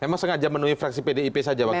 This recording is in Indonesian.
memang sengaja menemui fraksi pdip saja waktu itu